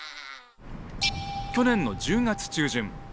去年の１０月中旬。